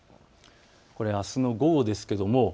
あすの午後です。